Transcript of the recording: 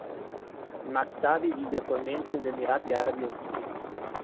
Maktabi vive attualmente negli Emirati Arabi Uniti.